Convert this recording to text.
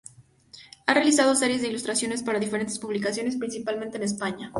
Ha realizado series de ilustraciones para diferentes publicaciones, principalmente en España.